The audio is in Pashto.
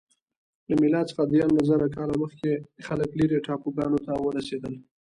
له میلاد څخه تر لس زره کاله مخکې خلک لیرې ټاپوګانو ته ورسیدل.